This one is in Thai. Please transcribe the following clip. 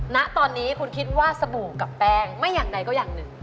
ณตอนนี้คุณคิดว่าสบู่กับแป้งไม่อย่างใดก็อย่างหนึ่ง